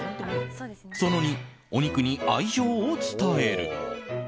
その２、お肉に愛情を伝える。